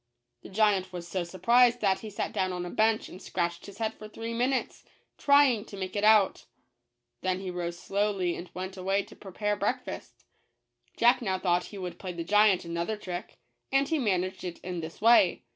The giant was so surprised that he sat down on a bench, and scratched his head for three minutes, trying to make it out. Then he rose slowly, and went away to prepare break fast. Jack now thought he would play the giant another trick ; and he managed it in this way.